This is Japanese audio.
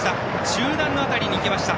中団の辺りにいきました。